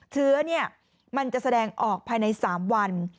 เชื้อมันจะแสดงออกภายใน๓วัน